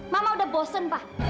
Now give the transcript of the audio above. mama udah bosen pak